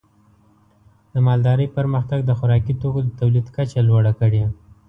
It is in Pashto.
د مالدارۍ پرمختګ د خوراکي توکو د تولید کچه لوړه کړې.